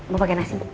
mau pakai nasi bu